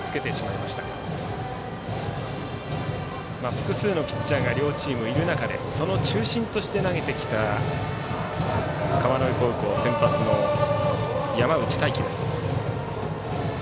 複数のピッチャーが両チームいる中で中心として投げてきた川之江高校先発の山内太暉です。